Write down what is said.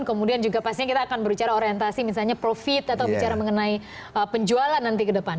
kemudian juga pastinya kita akan berbicara orientasi misalnya profit atau bicara mengenai penjualan nanti ke depan